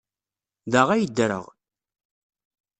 Da ay ddreɣ.